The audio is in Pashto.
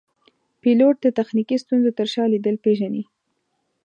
پیلوټ د تخنیکي ستونزو تر شا دلیل پېژني.